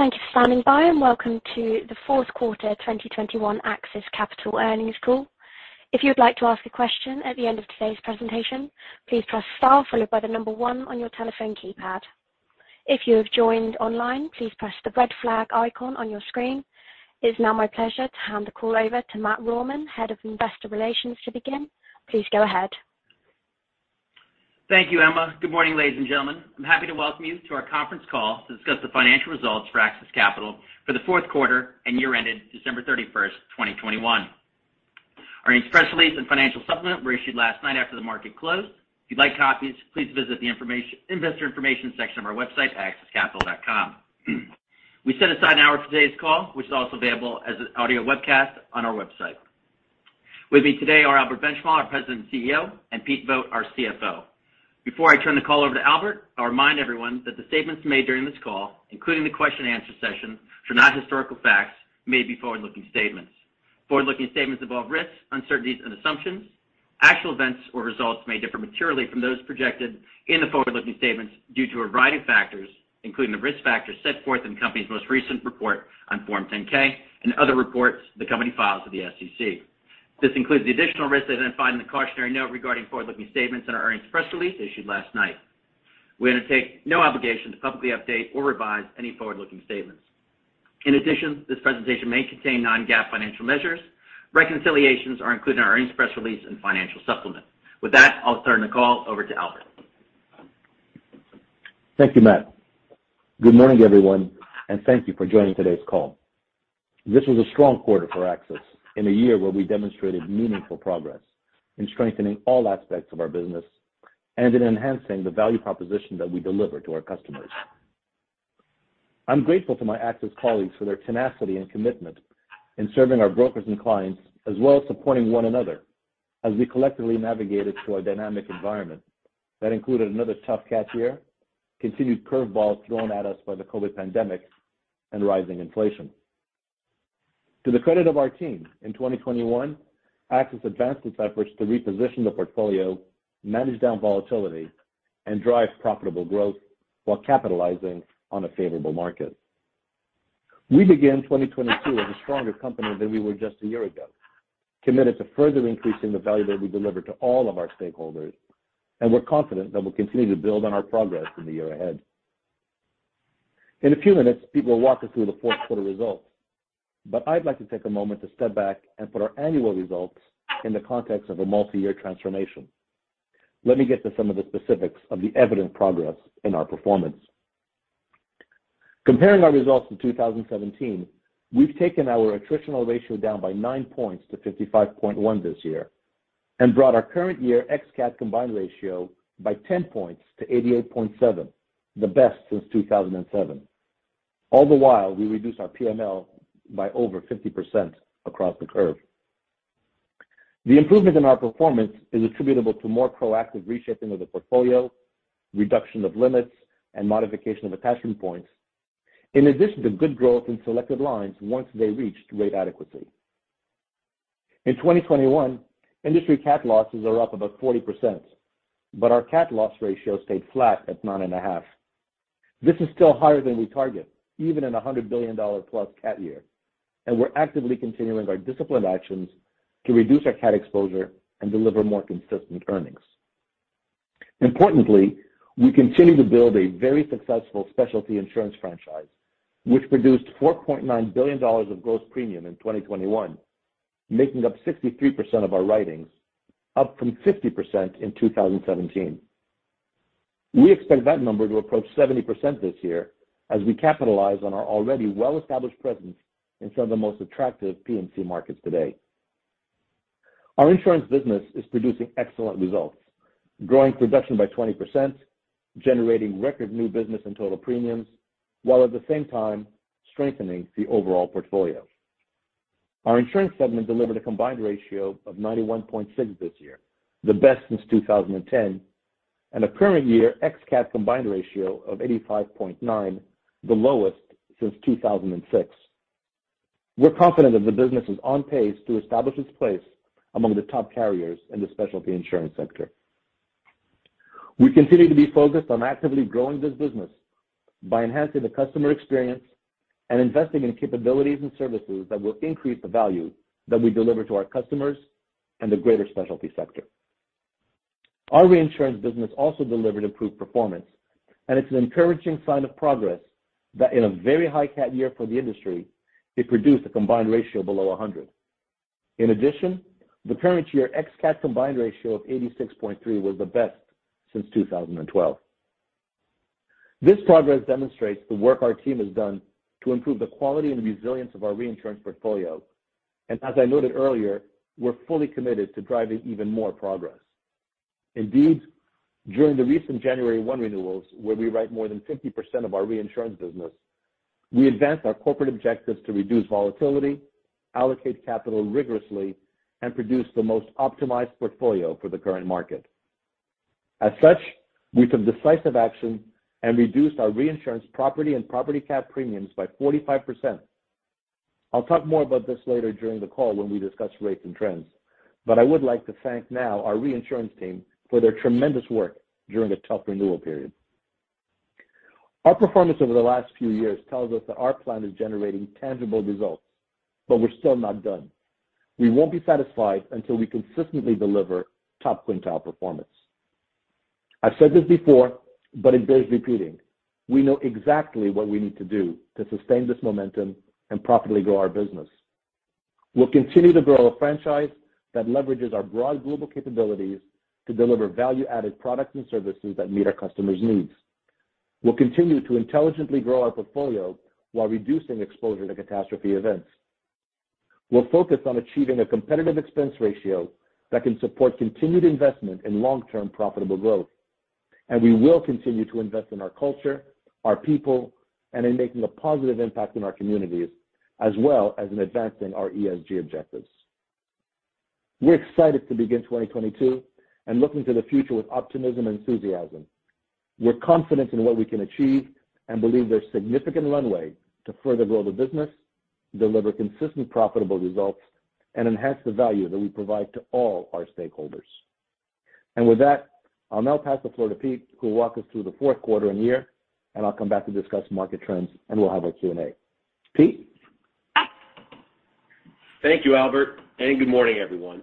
Thank you for standing by, welcome to the fourth quarter 2021 AXIS Capital earnings call. If you'd like to ask a question at the end of today's presentation, please press Star followed by the number one on your telephone keypad. If you have joined online, please press the red flag icon on your screen. It's now my pleasure to hand the call over to Matt Rohrmann, Head of Investor Relations, to begin. Please go ahead. Thank you, Emma. Good morning, ladies and gentlemen. I'm happy to welcome you to our conference call to discuss the financial results for AXIS Capital for the fourth quarter and year ended December 31st, 2021. Our earnings press release and financial supplement were issued last night after the market closed. If you'd like copies, please visit the Investor Information section of our website, axiscapital.com. We set aside an hour for today's call, which is also available as an audio webcast on our website. With me today are Albert Benchimol, our President and CEO, and Pete Vogt, our CFO. Before I turn the call over to Albert, I'll remind everyone that the statements made during this call, including the question answer session, are not historical facts, may be forward-looking statements. Forward-looking statements involve risks, uncertainties, and assumptions. Actual events or results may differ materially from those projected in the forward-looking statements due to a variety of factors, including the risk factors set forth in the company's most recent report on Form 10-K and other reports the company files with the SEC. This includes the additional risks identified in the cautionary note regarding forward-looking statements in our earnings press release issued last night. We undertake no obligation to publicly update or revise any forward-looking statements. In addition, this presentation may contain non-GAAP financial measures. Reconciliations are included in our earnings press release and financial supplement. With that, I'll turn the call over to Albert. Thank you, Matt. Good morning, everyone, thank you for joining today's call. This was a strong quarter for AXIS in a year where we demonstrated meaningful progress in strengthening all aspects of our business and in enhancing the value proposition that we deliver to our customers. I'm grateful to my AXIS colleagues for their tenacity and commitment in serving our brokers and clients, as well as supporting one another as we collectively navigated through a dynamic environment that included another tough cat year, continued curveballs thrown at us by the COVID pandemic, and rising inflation. To the credit of our team, in 2021, AXIS advanced its efforts to reposition the portfolio, manage down volatility, and drive profitable growth while capitalizing on a favorable market. We begin 2022 as a stronger company than we were just a year ago, committed to further increasing the value that we deliver to all of our stakeholders. We're confident that we'll continue to build on our progress in the year ahead. In a few minutes, Pete will walk us through the fourth quarter results, but I'd like to take a moment to step back and put our annual results in the context of a multi-year transformation. Let me get to some of the specifics of the evident progress in our performance. Comparing our results to 2017, we've taken our attritional ratio down by nine points to 55.1 this year and brought our current year ex-CAT combined ratio by 10 points to 88.7, the best since 2007. All the while, we reduced our PML by over 50% across the curve. The improvement in our performance is attributable to more proactive reshaping of the portfolio, reduction of limits, and modification of attachment points, in addition to good growth in selected lines once they reached rate adequacy. In 2021, industry cat losses are up about 40%, but our cat loss ratio stayed flat at nine and a half. This is still higher than we target, even in a $100 billion-plus cat year. We're actively continuing our disciplined actions to reduce our cat exposure and deliver more consistent earnings. Importantly, we continue to build a very successful specialty insurance franchise, which produced $4.9 billion of gross premium in 2021, making up 63% of our writings, up from 50% in 2017. We expect that number to approach 70% this year as we capitalize on our already well-established presence in some of the most attractive P&C markets today. Our insurance business is producing excellent results, growing production by 20%, generating record new business and total premiums, while at the same time strengthening the overall portfolio. Our insurance segment delivered a combined ratio of 91.6 this year, the best since 2010, and a current year ex-CAT combined ratio of 85.9, the lowest since 2006. We're confident that the business is on pace to establish its place among the top carriers in the specialty insurance sector. We continue to be focused on actively growing this business by enhancing the customer experience and investing in capabilities and services that will increase the value that we deliver to our customers and the greater specialty sector. Our reinsurance business also delivered improved performance. It's an encouraging sign of progress that in a very high cat year for the industry, it produced a combined ratio below 100. In addition, the current year ex-CAT combined ratio of 86.3 was the best since 2012. This progress demonstrates the work our team has done to improve the quality and resilience of our reinsurance portfolio. As I noted earlier, we're fully committed to driving even more progress. Indeed, during the recent January one renewals, where we write more than 50% of our reinsurance business, we advanced our corporate objectives to reduce volatility, allocate capital rigorously, and produce the most optimized portfolio for the current market. As such, we took decisive action and reduced our reinsurance property and property cat premiums by 45%. I'll talk more about this later during the call when we discuss rates and trends. I would like to thank now our reinsurance team for their tremendous work during a tough renewal period. Our performance over the last few years tells us that our plan is generating tangible results. We're still not done. We won't be satisfied until we consistently deliver top quintile performance. I've said this before. It bears repeating. We know exactly what we need to do to sustain this momentum and profitably grow our business. We'll continue to grow a franchise that leverages our broad global capabilities to deliver value-added products and services that meet our customers' needs. We'll continue to intelligently grow our portfolio while reducing exposure to catastrophe events. We'll focus on achieving a competitive expense ratio that can support continued investment in long-term profitable growth. We will continue to invest in our culture, our people, and in making a positive impact in our communities, as well as in advancing our ESG objectives. We're excited to begin 2022 and look into the future with optimism and enthusiasm. We're confident in what we can achieve and believe there's significant runway to further grow the business, deliver consistent profitable results, and enhance the value that we provide to all our stakeholders. With that, I'll now pass the floor to Pete, who will walk us through the fourth quarter and year. I'll come back to discuss market trends, and we'll have our Q&A. Pete? Thank you, Albert, and good morning, everyone.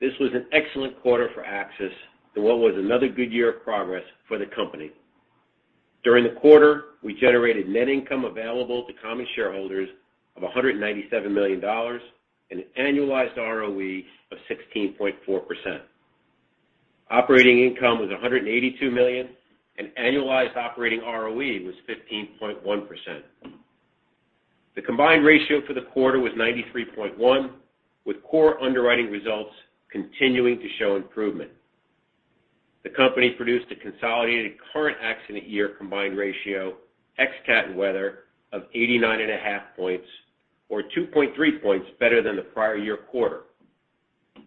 This was an excellent quarter for AXIS in what was another good year of progress for the company. During the quarter, we generated net income available to common shareholders of $197 million and an annualized ROE of 16.4%. Operating income was $182 million and annualized operating ROE was 15.1%. The combined ratio for the quarter was 93.1%, with core underwriting results continuing to show improvement. The company produced a consolidated current accident year combined ratio, ex-CAT and weather, of 89.5 points or 2.3 points better than the prior year quarter.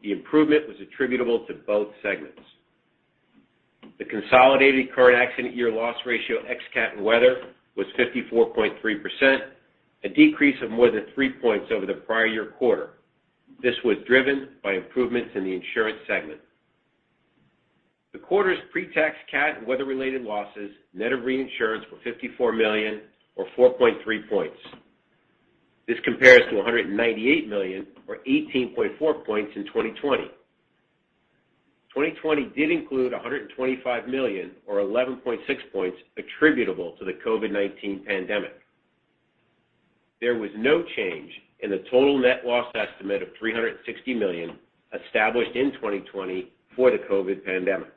The improvement was attributable to both segments. The consolidated current accident year loss ratio, ex-CAT and weather, was 54.3%, a decrease of more than three points over the prior year quarter. This was driven by improvements in the insurance segment. The quarter's pre-tax CAT- and weather-related losses, net of reinsurance, were $54 million or 4.3 points. This compares to $198 million or 18.4 points in 2020. 2020 did include $125 million or 11.6 points attributable to the COVID-19 pandemic. There was no change in the total net loss estimate of $360 million established in 2020 for the COVID pandemic.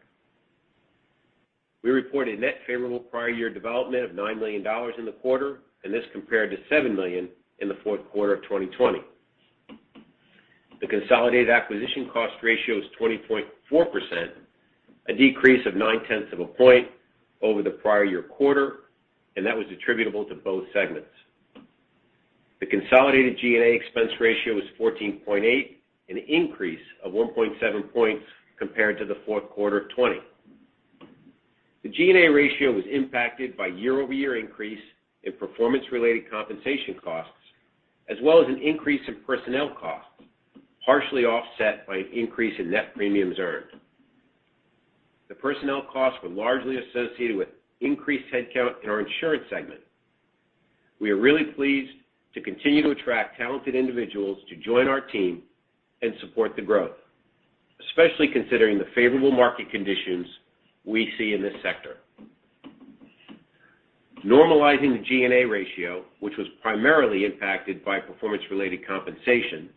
We reported net favorable prior year development of $9 million in the quarter. This compared to $7 million in the fourth quarter of 2020. The consolidated acquisition cost ratio is 20.4%, a decrease of nine tenths of a point over the prior year quarter. That was attributable to both segments. The consolidated G&A expense ratio was 14.8%, an increase of 1.7 points compared to the fourth quarter of 2020. The G&A ratio was impacted by year-over-year increase in performance-related compensation costs, as well as an increase in personnel costs, partially offset by an increase in net premiums earned. The personnel costs were largely associated with increased headcount in our insurance segment. We are really pleased to continue to attract talented individuals to join our team and support the growth, especially considering the favorable market conditions we see in this sector. Normalizing the G&A ratio, which was primarily impacted by performance-related compensation,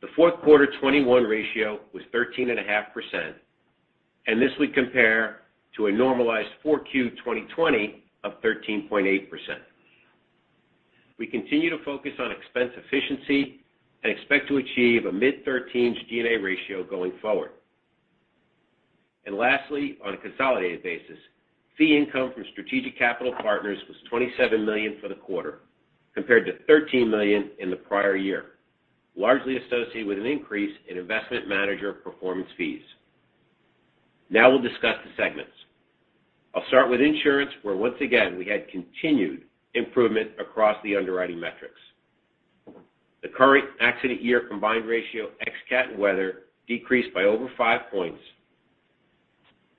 the fourth quarter 2021 ratio was 13.5%, and this would compare to a normalized 4Q 2020 of 13.8%. We continue to focus on expense efficiency and expect to achieve a mid-thirteens G&A ratio going forward. Lastly, on a consolidated basis, fee income from strategic capital partners was $27 million for the quarter compared to $13 million in the prior year, largely associated with an increase in investment manager performance fees. Now we'll discuss the segments. I'll start with insurance, where once again, we had continued improvement across the underwriting metrics. The current accident year combined ratio, ex-CAT and weather, decreased by over 5 points,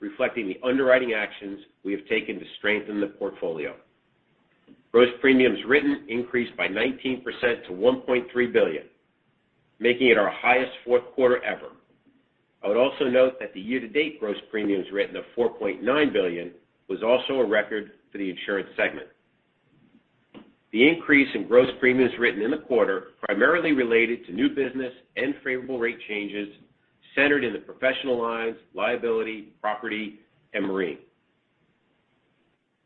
reflecting the underwriting actions we have taken to strengthen the portfolio. Gross premiums written increased by 19% to $1.3 billion, making it our highest fourth quarter ever. I would also note that the year-to-date gross premiums written of $4.9 billion was also a record for the insurance segment. The increase in gross premiums written in the quarter primarily related to new business and favorable rate changes centered in the professional lines, liability, property, and marine.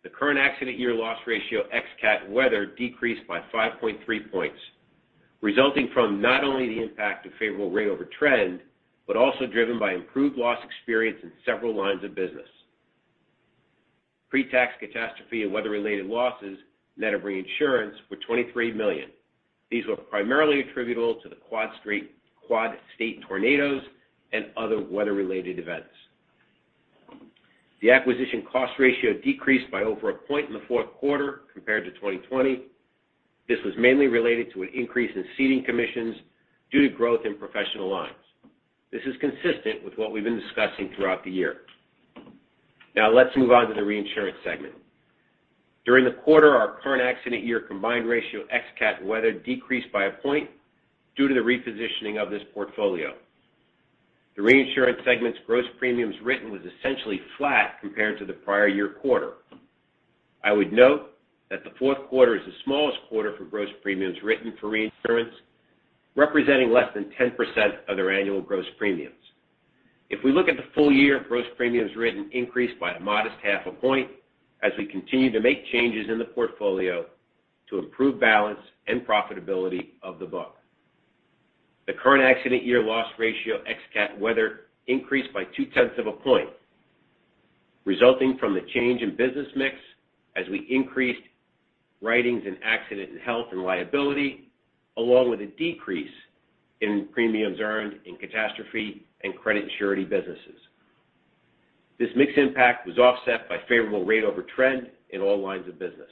The current accident year loss ratio, ex-CAT and weather, decreased by 5.3 points, resulting from not only the impact of favorable rate over trend, but also driven by improved loss experience in several lines of business. Pre-tax catastrophe and weather-related losses, net of reinsurance, were $23 million. These were primarily attributable to the Quad-State tornadoes and other weather-related events. The acquisition cost ratio decreased by over a point in the fourth quarter compared to 2020. This was mainly related to an increase in ceding commissions due to growth in professional lines. This is consistent with what we've been discussing throughout the year. Now let's move on to the reinsurance segment. During the quarter, our current accident year combined ratio ex-CAT weather decreased by a point due to the repositioning of this portfolio. The reinsurance segment's gross premiums written was essentially flat compared to the prior year quarter. I would note that the fourth quarter is the smallest quarter for gross premiums written for reinsurance, representing less than 10% of their annual gross premiums. If we look at the full year, gross premiums written increased by a modest half a point as we continue to make changes in the portfolio to improve balance and profitability of the book. The current accident year loss ratio ex-CAT weather increased by two-tenths of a point, resulting from the change in business mix as we increased writings in accident and health and liability, along with a decrease in premiums earned in catastrophe and credit surety businesses. This mix impact was offset by favorable rate over trend in all lines of business.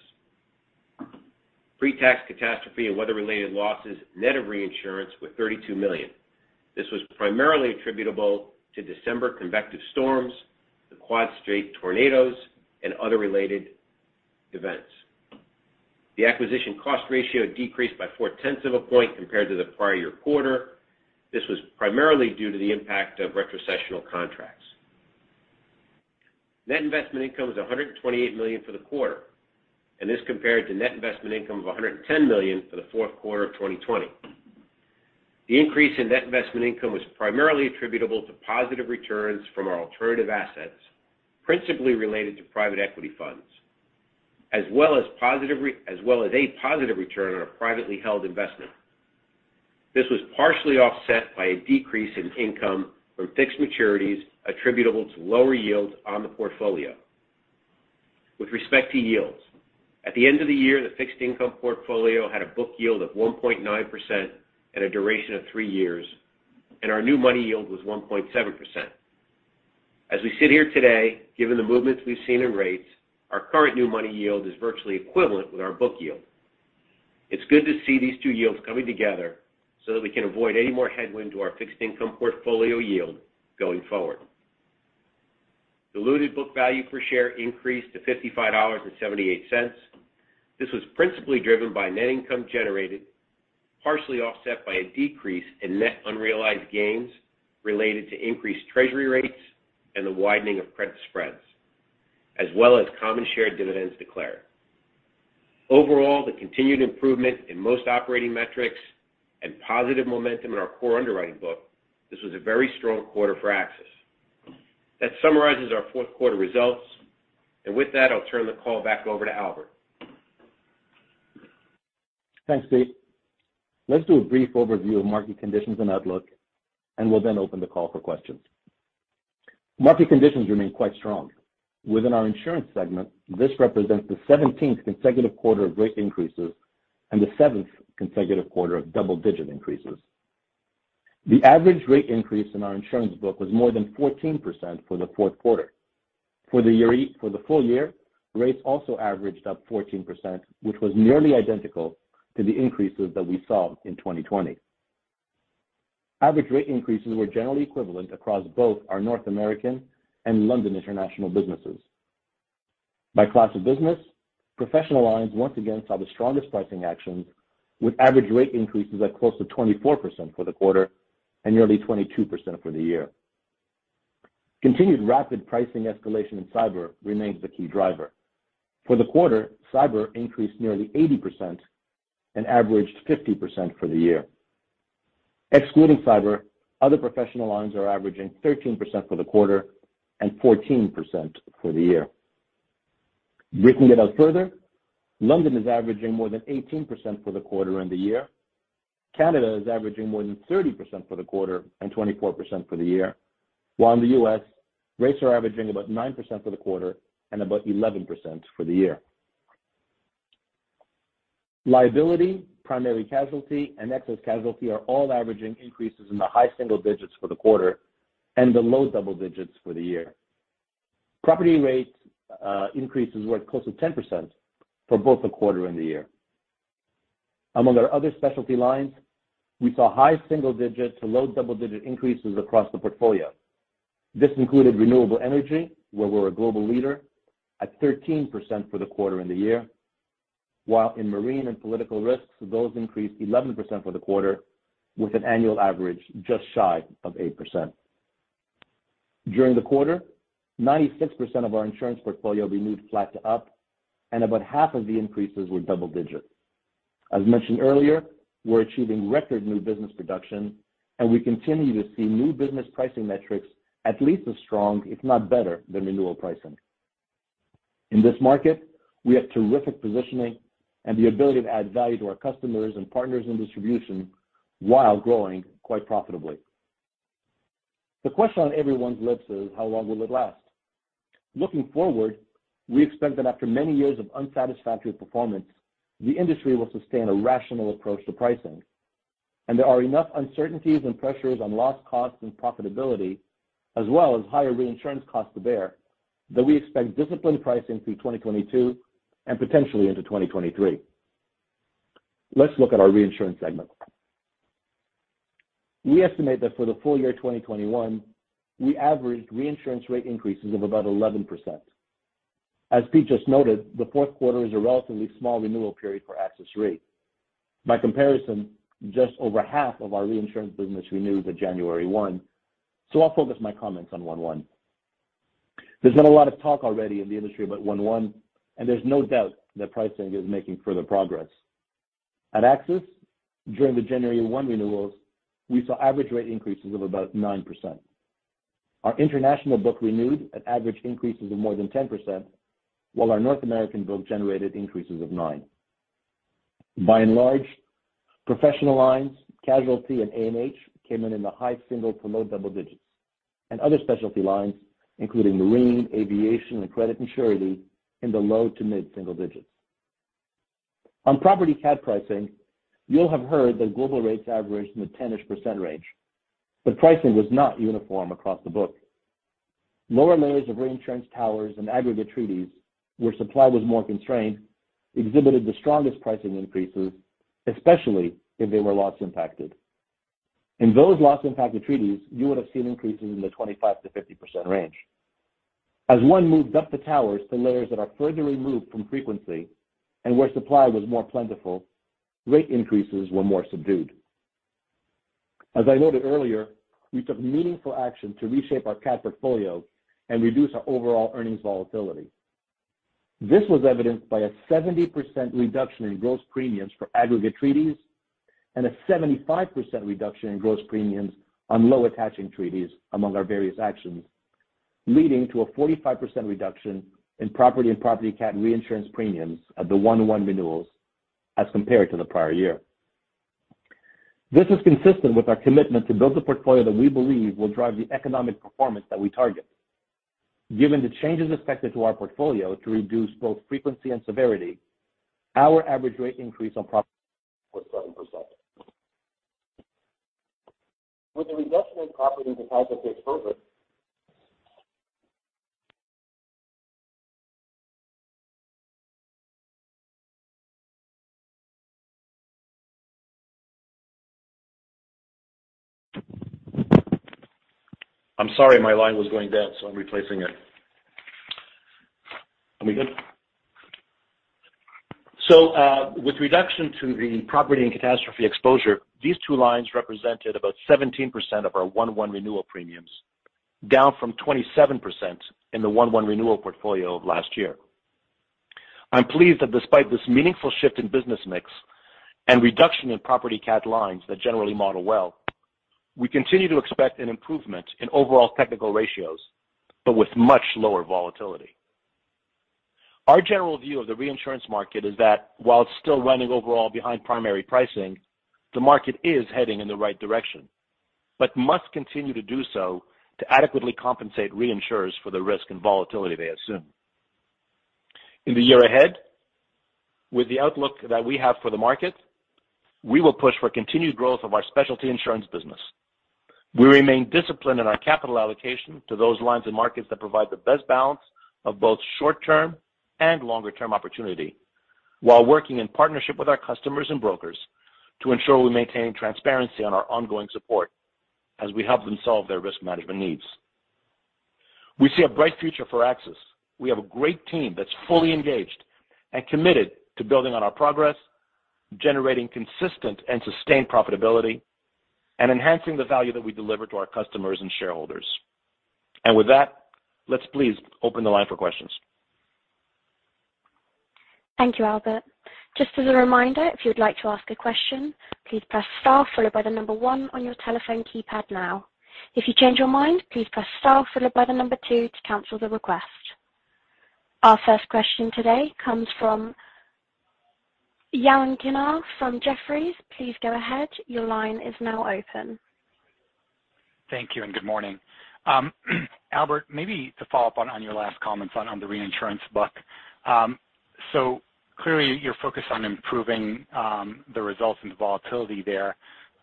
Pre-tax catastrophe and weather-related losses net of reinsurance were $32 million. This was primarily attributable to December convective storms, the Quad-State tornadoes, and other related events. The acquisition cost ratio decreased by four-tenths of a point compared to the prior year quarter. This was primarily due to the impact of retrocessional contracts. Net investment income was $128 million for the quarter, and this compared to net investment income of $110 million for the fourth quarter of 2020. The increase in net investment income was primarily attributable to positive returns from our alternative assets, principally related to private equity funds, as well as a positive return on our privately held investment. This was partially offset by a decrease in income from fixed maturities attributable to lower yields on the portfolio. With respect to yields, at the end of the year, the fixed income portfolio had a book yield of 1.9% and a duration of three years, and our new money yield was 1.7%. As we sit here today, given the movements we've seen in rates, our current new money yield is virtually equivalent with our book yield. It's good to see these two yields coming together so that we can avoid any more headwind to our fixed income portfolio yield going forward. Diluted book value per share increased to $55.78. This was principally driven by net income generated, partially offset by a decrease in net unrealized gains related to increased treasury rates and the widening of credit spreads, as well as common share dividends declared. Overall, the continued improvement in most operating metrics and positive momentum in our core underwriting book, this was a very strong quarter for AXIS. That summarizes our fourth quarter results, and with that, I'll turn the call back over to Albert. Thanks, Pete. Let's do a brief overview of market conditions and outlook, we'll then open the call for questions. Market conditions remain quite strong. Within our insurance segment, this represents the 17th consecutive quarter of rate increases and the seventh consecutive quarter of double-digit increases. The average rate increase in our insurance book was more than 14% for the fourth quarter. For the full year, rates also averaged up 14%, which was nearly identical to the increases that we saw in 2020. Average rate increases were generally equivalent across both our North American and London international businesses. By class of business, professional lines once again saw the strongest pricing actions with average rate increases at close to 24% for the quarter and nearly 22% for the year. Continued rapid pricing escalation in cyber remains the key driver. For the quarter, cyber increased nearly 80% and averaged 50% for the year. Excluding cyber, other professional lines are averaging 13% for the quarter and 14% for the year. Breaking it out further, London is averaging more than 18% for the quarter and the year. Canada is averaging more than 30% for the quarter and 24% for the year. While in the U.S., rates are averaging about 9% for the quarter and about 11% for the year. Liability, primary casualty, and excess casualty are all averaging increases in the high single digits for the quarter and the low double digits for the year. Property rates increases were close to 10% for both the quarter and the year. Among our other specialty lines, we saw high single digit to low double-digit increases across the portfolio. This included renewable energy, where we're a global leader, at 13% for the quarter and the year, while in marine and political risks, those increased 11% for the quarter with an annual average just shy of 8%. During the quarter, 96% of our insurance portfolio renewed flat to up, and about half of the increases were double digits. As mentioned earlier, we're achieving record new business production, and we continue to see new business pricing metrics at least as strong, if not better, than renewal pricing. In this market, we have terrific positioning and the ability to add value to our customers and partners in distribution while growing quite profitably. The question on everyone's lips is: How long will it last? Looking forward, we expect that after many years of unsatisfactory performance, the industry will sustain a rational approach to pricing. There are enough uncertainties and pressures on loss costs and profitability, as well as higher reinsurance costs to bear, that we expect disciplined pricing through 2022 and potentially into 2023. Let's look at our reinsurance segment. We estimate that for the full year 2021, we averaged reinsurance rate increases of about 11%. As Pete just noted, the fourth quarter is a relatively small renewal period for AXIS Re. By comparison, just over half of our reinsurance business renews at January 1, so I'll focus my comments on 1/1. There's been a lot of talk already in the industry about 1/1, and there's no doubt that pricing is making further progress. At AXIS, during the January 1 renewals, we saw average rate increases of about 9%. Our international book renewed at average increases of more than 10%, while our North American book generated increases of nine. By and large, professional lines, casualty, and A&H came in in the high single to low double digits, and other specialty lines, including marine, aviation, and credit and surety, in the low to mid-single digits. On property cat pricing, you'll have heard that global rates averaged in the ten-ish percent range, but pricing was not uniform across the book. Lower layers of reinsurance towers and aggregate treaties, where supply was more constrained, exhibited the strongest pricing increases, especially if they were loss-impacted. In those loss-impacted treaties, you would have seen increases in the 25%-50% range. As one moved up the towers to layers that are further removed from frequency and where supply was more plentiful, rate increases were more subdued. As I noted earlier, we took meaningful action to reshape our cat portfolio and reduce our overall earnings volatility. This was evidenced by a 70% reduction in gross premiums for aggregate treaties and a 75% reduction in gross premiums on low attaching treaties among our various actions, leading to a 45% reduction in property and property cat reinsurance premiums at the 1/1 renewals as compared to the prior year. This is consistent with our commitment to build a portfolio that we believe will drive the economic performance that we target. Given the changes affected to our portfolio to reduce both frequency and severity, our average rate increase on property was 7%. With the reduction in property and catastrophe exposure I'm sorry, my line was going dead, so I'm replacing it. Are we good? With reduction to the property and catastrophe exposure, these two lines represented about 17% of our 1/1 renewal premiums, down from 27% in the 1/1 renewal portfolio of last year. I'm pleased that despite this meaningful shift in business mix and reduction in property cat lines that generally model well, we continue to expect an improvement in overall technical ratios, but with much lower volatility. Our general view of the reinsurance market is that while it's still running overall behind primary pricing, the market is heading in the right direction but must continue to do so to adequately compensate reinsurers for the risk and volatility they assume. In the year ahead, with the outlook that we have for the market, we will push for continued growth of our specialty insurance business. We remain disciplined in our capital allocation to those lines and markets that provide the best balance of both short-term and longer-term opportunity, while working in partnership with our customers and brokers to ensure we maintain transparency on our ongoing support as we help them solve their risk management needs. We see a bright future for AXIS. We have a great team that's fully engaged and committed to building on our progress, generating consistent and sustained profitability, and enhancing the value that we deliver to our customers and shareholders. With that, let's please open the line for questions. Thank you, Albert. Just as a reminder, if you would like to ask a question, please press star followed by the number one on your telephone keypad now. If you change your mind, please press star followed by the number two to cancel the request. Our first question today comes from Yaron Kinar from Jefferies. Please go ahead. Your line is now open. Thank you, good morning. Albert, maybe to follow up on your last comments on the reinsurance book. Clearly you're focused on improving the results and the volatility there,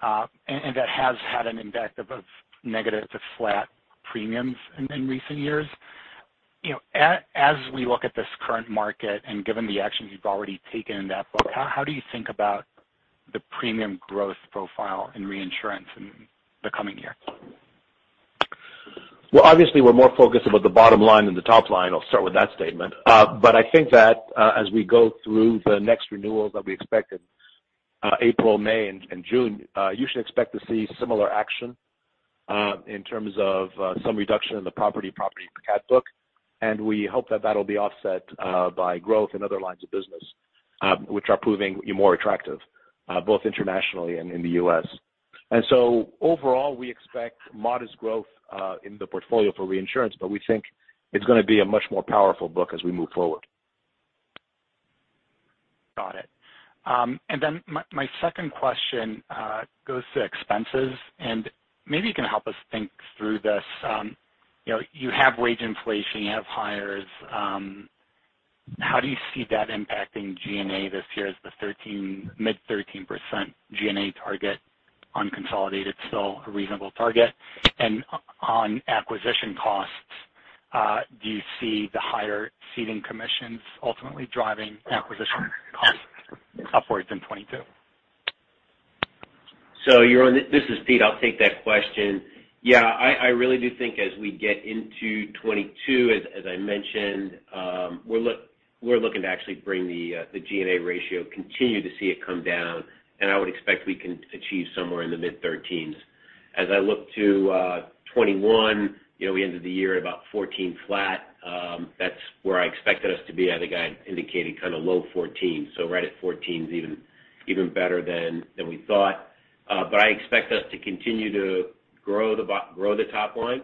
and that has had an impact of negative to flat premiums in recent years. As we look at this current market and given the actions you've already taken in that book, how do you think about the premium growth profile in reinsurance in the coming year? Obviously, we're more focused about the bottom line than the top line. I'll start with that statement. I think that as we go through the next renewals that we expect in April, May, and June, you should expect to see similar action in terms of some reduction in the property cat book, and we hope that that'll be offset by growth in other lines of business, which are proving more attractive, both internationally and in the U.S. Overall, we expect modest growth in the portfolio for reinsurance, but we think it's going to be a much more powerful book as we move forward. Got it. My second question goes to expenses, and maybe you can help us think through this. You have wage inflation, you have hires. How do you see that impacting G&A this year? Is the mid 13% G&A target unconsolidated still a reasonable target? On acquisition costs, do you see the higher ceding commissions ultimately driving acquisition costs upwards in 2022? Yaron, this is Pete. I'll take that question. I really do think as we get into 2022, as I mentioned, we're looking to actually bring the G&A ratio, continue to see it come down, and I would expect we can achieve somewhere in the mid-13s. As I look to 2021, we ended the year about 14 flat. That's where I expected us to be. I think I had indicated kind of low 14s, so right at 14 is even better than we thought. I expect us to continue to grow the top line,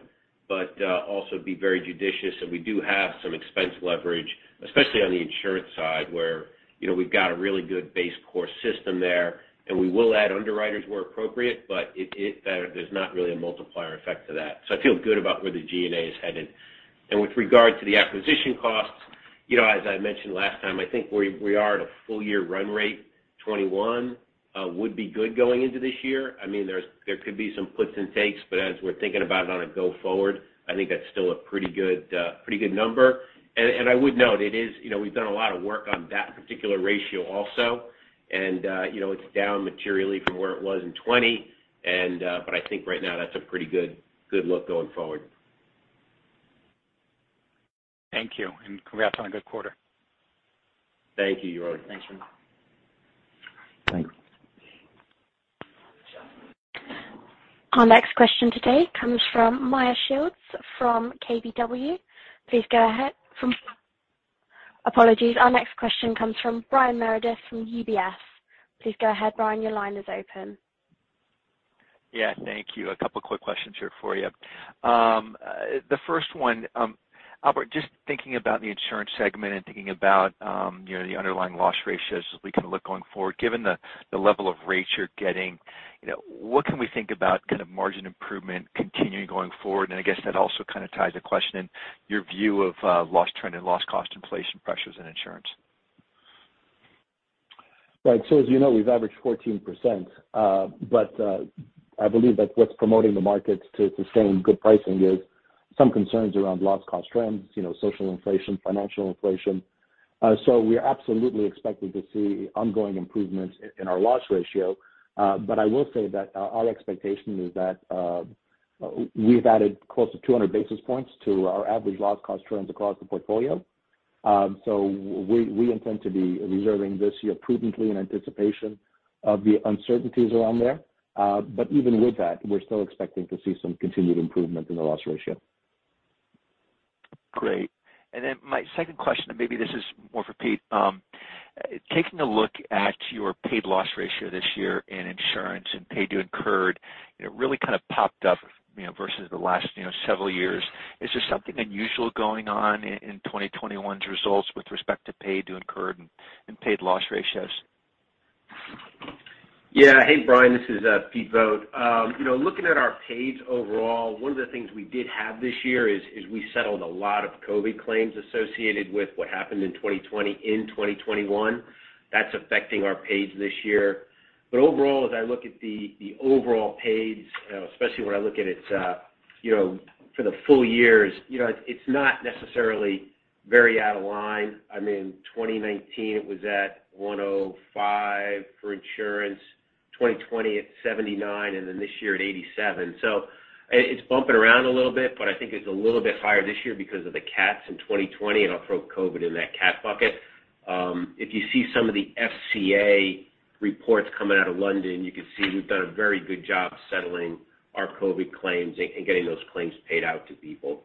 but also be very judicious. We do have some expense leverage, especially on the insurance side, where we've got a really good base core system there, and we will add underwriters where appropriate, but there's not really a multiplier effect to that. I feel good about where the G&A is headed. With regard to the acquisition costs, as I mentioned last time, I think we are at a full year run rate 2021. Would be good going into this year. There could be some puts and takes, but as we're thinking about it on a go forward, I think that's still a pretty good number. I would note, we've done a lot of work on that particular ratio also, and it's down materially from where it was in 2020. I think right now that's a pretty good look going forward. Thank you. Congrats on a good quarter. Thank you, Yaron. Thanks. Our next question today comes from Meyer Shields from KBW. Please go ahead. Apologies. Our next question comes from Brian Meredith from UBS. Please go ahead, Brian, your line is open. Thank you. A couple quick questions here for you. The first one, Albert, just thinking about the insurance segment and thinking about the underlying loss ratios as we kind of look going forward, given the level of rates you're getting, what can we think about kind of margin improvement continuing going forward? I guess that also kind of ties a question in your view of loss trend and loss cost inflation pressures in insurance. As you know, we've averaged 14%. I believe that what's promoting the markets to sustain good pricing is some concerns around loss cost trends, social inflation, financial inflation. We're absolutely expecting to see ongoing improvements in our loss ratio. I will say that our expectation is that we've added close to 200 basis points to our average loss cost trends across the portfolio. We intend to be reserving this year prudently in anticipation of the uncertainties around there. Even with that, we're still expecting to see some continued improvement in the loss ratio. Great. My second question, maybe this is more for Pete. Taking a look at your paid loss ratio this year in insurance and paid to incurred, it really kind of popped up, versus the last several years. Is there something unusual going on in 2021's results with respect to paid to incurred and paid loss ratios? Yeah. Hey, Brian, this is Pete Vogt. Looking at our paid overall, one of the things we did have this year is we settled a lot of COVID claims associated with what happened in 2020, in 2021. That's affecting our paid this year. Overall, as I look at the overall paid, especially when I look at it for the full years, it's not necessarily very out of line. I mean, 2019 it was at 105 for insurance, 2020 at 79, this year at 87. It's bumping around a little bit, but I think it's a little bit higher this year because of the cats in 2020, I'll throw COVID in that cat bucket. If you see some of the FCA reports coming out of London, you can see we've done a very good job settling our COVID claims and getting those claims paid out to people.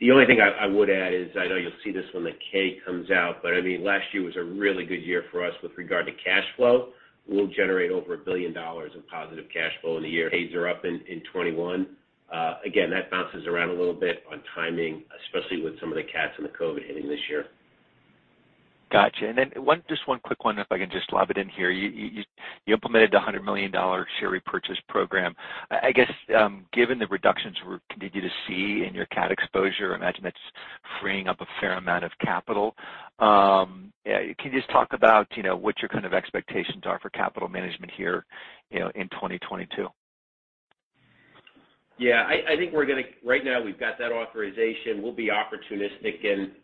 The only thing I would add is, I know you'll see this when the K comes out, last year was a really good year for us with regard to cash flow. We'll generate over $1 billion in positive cash flow in the year. Paid are up in 2021. Again, that bounces around a little bit on timing, especially with some of the cats and the COVID hitting this year. Got you. Just one quick one if I can just lob it in here. You implemented the $100 million share repurchase program. I guess, given the reductions we continue to see in your cat exposure, I imagine that's freeing up a fair amount of capital. Can you just talk about what your kind of expectations are for capital management here in 2022? Yeah, I think right now we've got that authorization. We'll be opportunistic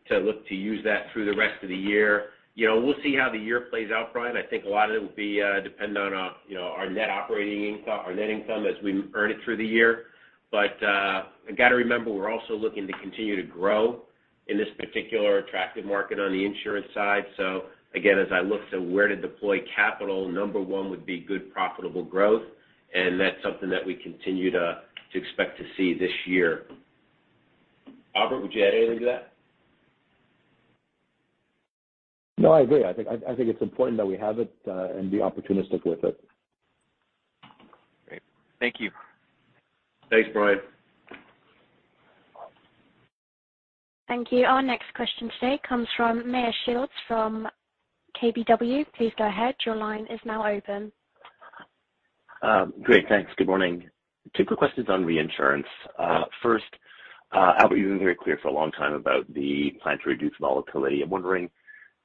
to look to use that through the rest of the year. We'll see how the year plays out, Brian. I think a lot of it will depend on our net income as we earn it through the year. You got to remember, we're also looking to continue to grow in this particular attractive market on the insurance side. Again, as I look to where to deploy capital, number one would be good profitable growth, and that's something that we continue to expect to see this year. Albert, would you add anything to that? No, I agree. I think it's important that we have it, and be opportunistic with it. Great. Thank you. Thanks, Brian. Thank you. Our next question today comes from Meyer Shields from KBW. Please go ahead. Your line is now open. Great. Thanks. Good morning. Two quick questions on reinsurance. First, Albert, you've been very clear for a long time about the plan to reduce volatility. I'm wondering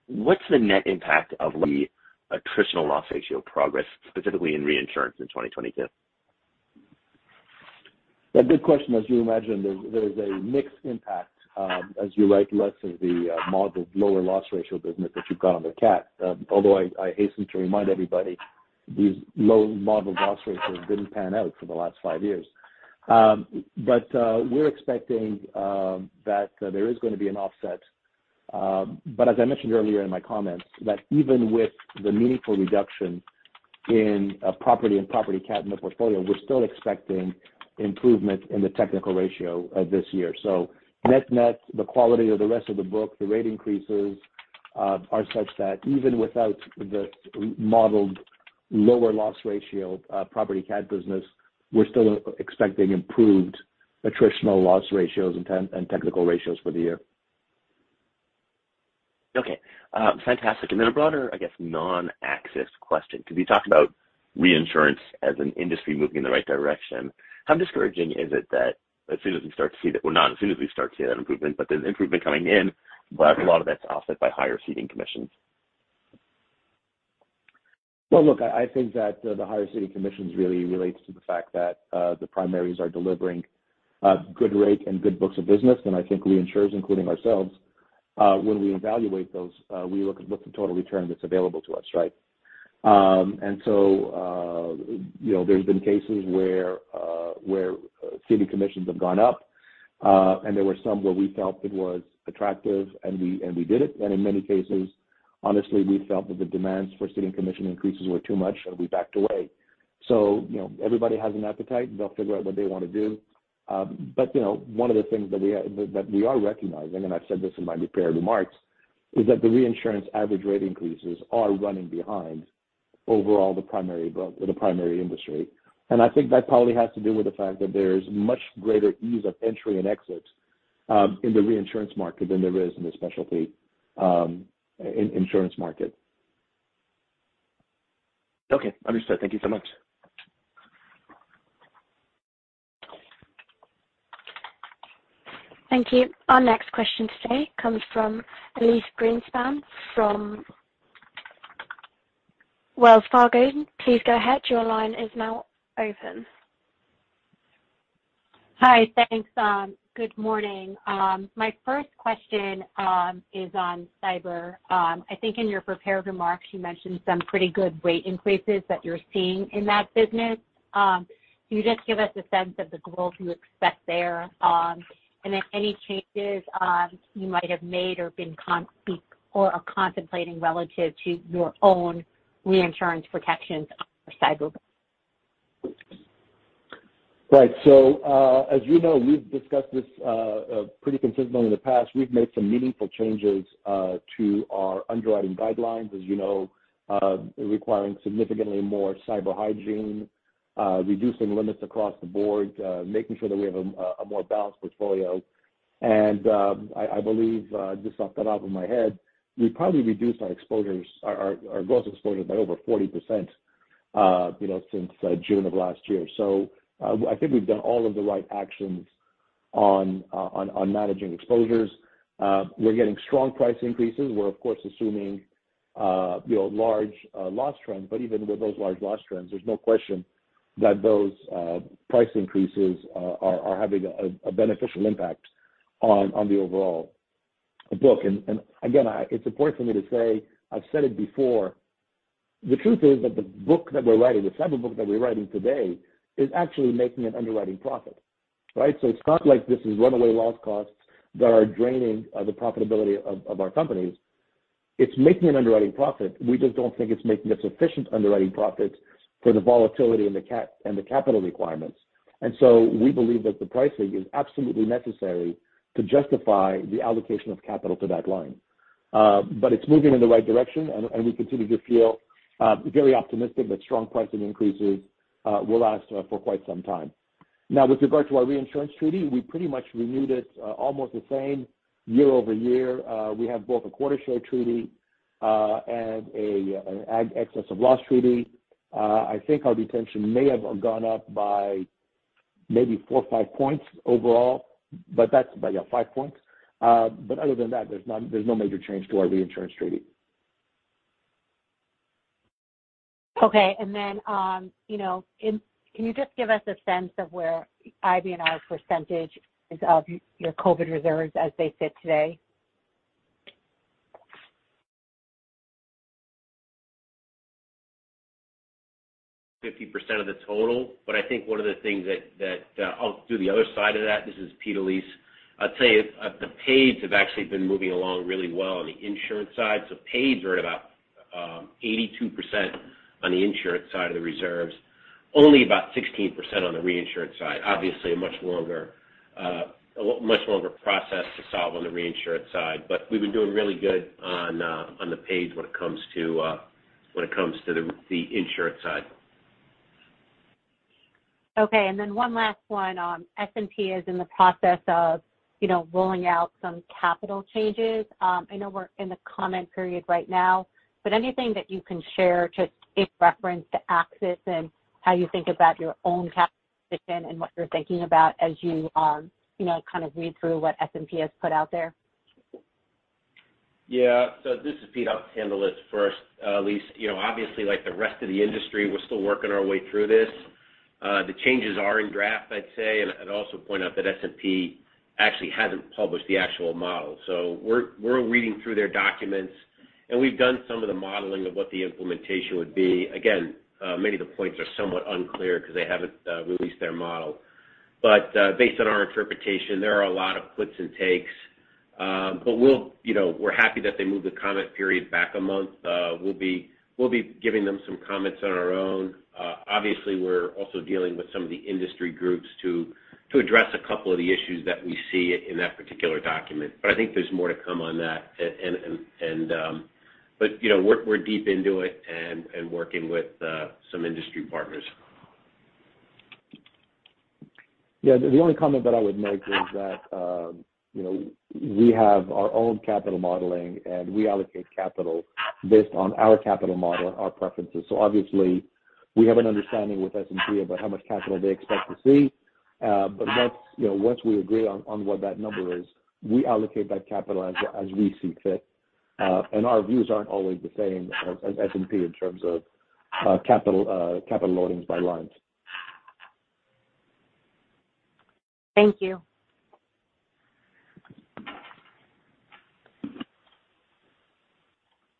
what's the net impact of the attritional loss ratio progress, specifically in reinsurance in 2022? A good question. As you imagine, there is a mixed impact as you write less of the modeled lower loss ratio business that you've got on the cat. Although I hasten to remind everybody, these low modeled loss ratios didn't pan out for the last five years. We're expecting that there is going to be an offset. As I mentioned earlier in my comments, that even with the meaningful reduction in property and property cat in the portfolio, we're still expecting improvement in the technical ratio of this year. Net-net, the quality of the rest of the book, the rate increases, are such that even without the modeled lower loss ratio property cat business, we're still expecting improved attritional loss ratios and technical ratios for the year. Okay. Fantastic. Then a broader, I guess, non-AXIS question. Could you talk about reinsurance as an industry moving in the right direction? How discouraging is it that as soon as we start to see that, well, not as soon as we start to see that improvement, but there's improvement coming in, but a lot of that's offset by higher ceding commissions? Well, look, I think that the higher ceding commissions really relates to the fact that the primaries are delivering good rate and good books of business, and I think reinsurers, including ourselves, when we evaluate those, we look at what's the total return that's available to us, right? There's been cases where ceding commissions have gone up, and there were some where we felt it was attractive, and we did it. In many cases, honestly, we felt that the demands for ceding commission increases were too much, and we backed away. Everybody has an appetite, and they'll figure out what they want to do. One of the things that we are recognizing, and I've said this in my prepared remarks, is that the reinsurance average rate increases are running behind overall the primary industry. I think that probably has to do with the fact that there is much greater ease of entry and exit in the reinsurance market than there is in the specialty insurance market. Okay, understood. Thank you so much. Thank you. Our next question today comes from Elyse Greenspan from Wells Fargo. Please go ahead. Your line is now open. Hi. Thanks. Good morning. My first question is on cyber. I think in your prepared remarks, you mentioned some pretty good rate increases that you're seeing in that business. Can you just give us a sense of the growth you expect there? And then any changes you might have made or are contemplating relative to your own reinsurance protections for cyber? Right. as you know, we've discussed this pretty consistently in the past. We've made some meaningful changes to our underwriting guidelines, as you know, requiring significantly more cyber hygiene, reducing limits across the board, making sure that we have a more balanced portfolio. I believe, just off the top of my head, we probably reduced our gross exposures by over 40% since June of last year. I think we've done all of the right actions on managing exposures. We're getting strong price increases. We're, of course, assuming large loss trends, but even with those large loss trends, there's no question that those price increases are having a beneficial impact on the overall book. Again, it's important for me to say, I've said it before, the truth is that the book that we're writing, the cyber book that we're writing today, is actually making an underwriting profit, right? It's not like this is runaway loss costs that are draining the profitability of our companies. It's making an underwriting profit. We just don't think it's making a sufficient underwriting profit for the volatility and the capital requirements. We believe that the pricing is absolutely necessary to justify the allocation of capital to that line. It's moving in the right direction, and we continue to feel very optimistic that strong pricing increases will last for quite some time. Now, with regard to our reinsurance treaty, we pretty much renewed it almost the same year over year. We have both a quota share treaty, and an excess of loss treaty. I think our retention may have gone up by maybe four or five points overall, that's about, yeah, five points. Other than that, there's no major change to our reinsurance treaty. Okay. Can you just give us a sense of where IBNR's percentage is of your COVID reserves as they sit today? 50% of the total. I think one of the things that I'll do the other side of that, this is Pete Elyse, I'd say the pays have actually been moving along really well on the insurance side. Pays are at about 82% on the insurance side of the reserves, only about 16% on the reinsurance side. Obviously a much longer process to solve on the reinsurance side. We've been doing really good on the pays when it comes to the insurance side. Okay, one last one. S&P is in the process of rolling out some capital changes. I know we're in the comment period right now, but anything that you can share just in reference to AXIS and how you think about your own capital position and what you're thinking about as you read through what S&P has put out there? Yeah. This is Pete. I'll handle this first, Elyse. Obviously, like the rest of the industry, we're still working our way through this. The changes are in draft, I'd say. I'd also point out that S&P actually hasn't published the actual model. We're reading through their documents, and we've done some of the modeling of what the implementation would be. Again, many of the points are somewhat unclear because they haven't released their model. Based on our interpretation, there are a lot of puts and takes. We're happy that they moved the comment period back a month. We'll be giving them some comments on our own. Obviously, we're also dealing with some of the industry groups to address a couple of the issues that we see in that particular document. I think there's more to come on that. We're deep into it and working with some industry partners. Yeah. The only comment that I would make is that we have our own capital modeling, and we allocate capital based on our capital model and our preferences. Obviously, we have an understanding with S&P about how much capital they expect to see. Once we agree on what that number is, we allocate that capital as we see fit. Our views aren't always the same as S&P in terms of capital loadings by lines. Thank you.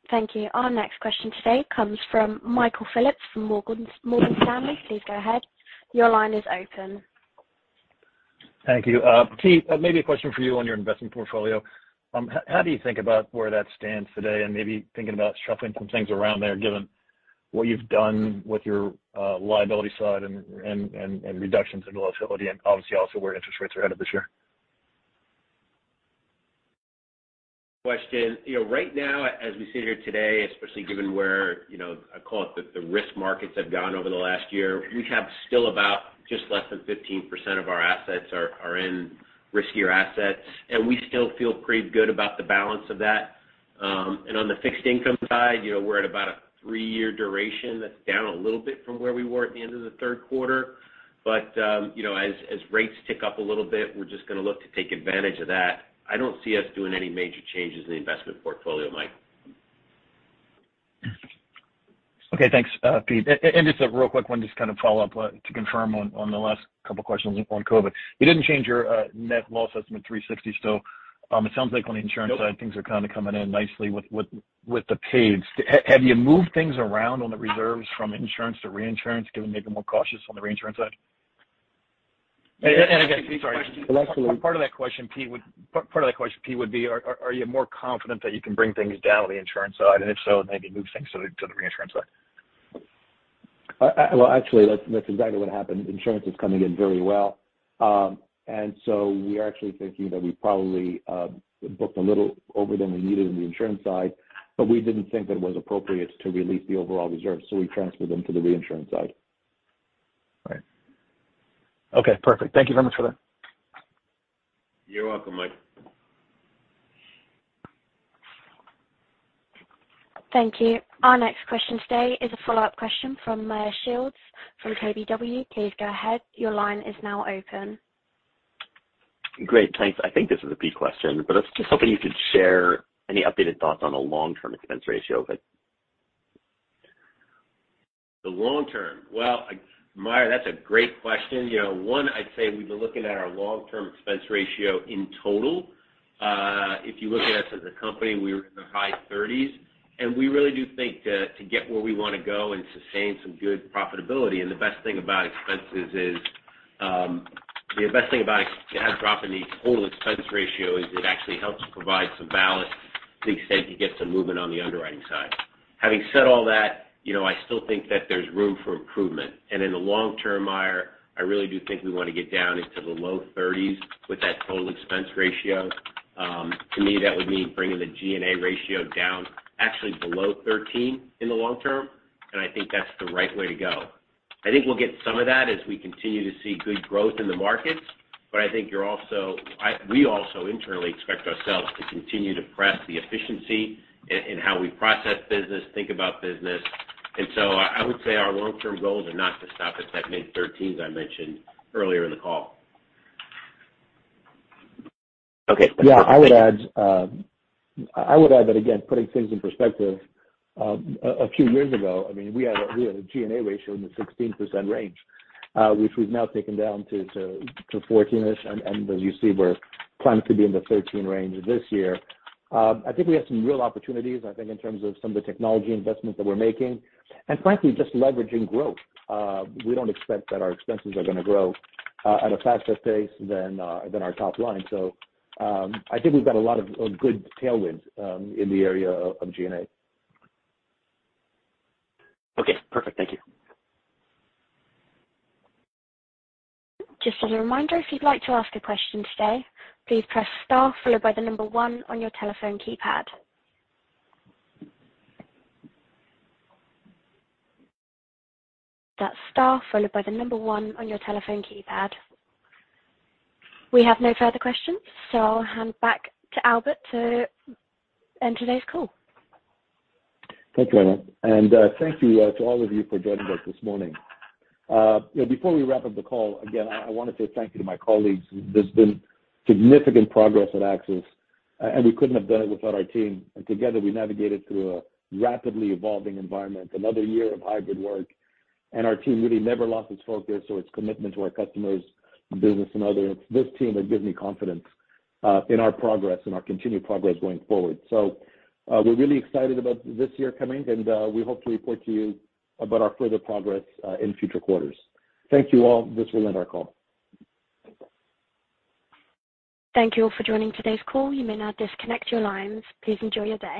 Thank you. Our next question today comes from Michael Phillips from Morgan Stanley. Please go ahead. Your line is open. Thank you. Pete, maybe a question for you on your investment portfolio. How do you think about where that stands today and maybe thinking about shuffling some things around there, given what you've done with your liability side and reductions in liability and obviously also where interest rates are headed this year? Question. Right now, as we sit here today, especially given where, I call it, the risk markets have gone over the last year, we have still about just less than 15% of our assets are in riskier assets, and we still feel pretty good about the balance of that. On the fixed income side, we're at about a three-year duration. That's down a little bit from where we were at the end of the third quarter. As rates tick up a little bit, we're just going to look to take advantage of that. I don't see us doing any major changes in the investment portfolio, Mike. Okay. Thanks, Pete. Just a real quick one, just to follow up to confirm on the last couple questions on COVID. You didn't change your net loss estimate $360 still. It sounds like on the insurance side. Nope things are kind of coming in nicely with the paid. Have you moved things around on the reserves from insurance to reinsurance, given maybe more cautious on the reinsurance side? Again, sorry, part of that question, Pete, would be, are you more confident that you can bring things down on the insurance side, and if so, maybe move things to the reinsurance side? Well, actually, that's exactly what happened. Insurance is coming in very well. We are actually thinking that we probably booked a little over than we needed on the insurance side, but we didn't think that it was appropriate to release the overall reserve, so we transferred them to the reinsurance side. Right. Okay, perfect. Thank you very much for that. You're welcome, Mike. Thank you. Our next question today is a follow-up question from Meyer Shields from KBW. Please go ahead. Your line is now open. Great. Thanks. I think this is a Pete question, I was just hoping you could share any updated thoughts on the long-term expense ratio. The long term. Well, Meyer, that's a great question. One, I'd say we've been looking at our long-term expense ratio in total. If you look at us as a company, we were in the high 30s. We really do think to get where we want to go and sustain some good profitability. The best thing about having drop in the total expense ratio is it actually helps provide some ballast, so you can get some movement on the underwriting side. Having said all that, I still think that there's room for improvement. In the long term, Meyer, I really do think we want to get down into the low 30s with that total expense ratio. To me, that would mean bringing the G&A ratio down actually below 13 in the long term. I think that's the right way to go. I think we'll get some of that as we continue to see good growth in the markets. I think we also internally expect ourselves to continue to press the efficiency in how we process business, think about business. I would say our long-term goals are not to stop at that mid-13s I mentioned earlier in the call. Okay. Yeah, I would add that, again, putting things in perspective, a few years ago, we had a G&A ratio in the 16% range, which we've now taken down to 14-ish. As you see, we're planning to be in the 13 range this year. I think we have some real opportunities, I think in terms of some of the technology investments that we're making, frankly, just leveraging growth. We don't expect that our expenses are going to grow at a faster pace than our top line. I think we've got a lot of good tailwinds in the area of G&A. Okay, perfect. Thank you. Just as a reminder, if you'd like to ask a question today, please press star followed by the 1 on your telephone keypad. That's star followed by the 1 on your telephone keypad. We have no further questions, I'll hand back to Albert to end today's call. Thank you, Anna, thank you to all of you for joining us this morning. Before we wrap up the call, again, I want to say thank you to my colleagues. There's been significant progress at AXIS, we couldn't have done it without our team. Together, we navigated through a rapidly evolving environment, another year of hybrid work, our team really never lost its focus or its commitment to our customers, business, and others. This team has given me confidence in our progress and our continued progress going forward. We're really excited about this year coming, we hope to report to you about our further progress in future quarters. Thank you all. This will end our call. Thank you all for joining today's call. You may now disconnect your lines. Please enjoy your day.